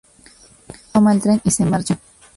Él toma el tren y se marcha.